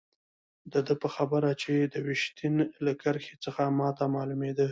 د ده په خبره چې د ویشتن له کرښې څخه ما ته معلومېده.